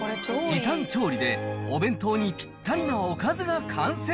時短調理で、お弁当にぴったりなおかずが完成。